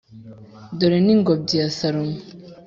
Dore ni ingobyi ya Salomo